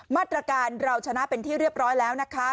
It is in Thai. มาตรการเราชนะเป็นที่เรียบร้อยแล้วนะคะ